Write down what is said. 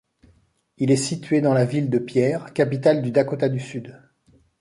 Il est situé dans la ville de Pierre, capitale du Dakota du Sud.